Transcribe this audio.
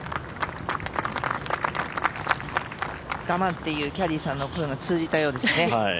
我慢っていうキャディーさんの声が通じたようですね。